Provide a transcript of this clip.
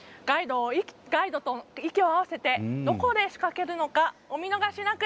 ガイドと息を合わせてどこで仕掛けるのかお見逃しなく！